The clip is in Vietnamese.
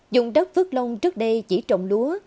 dùng đất phước lông trước đây chỉ trồng lúa